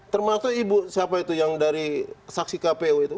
termasuk ibu siapa itu yang dari saksi kpu itu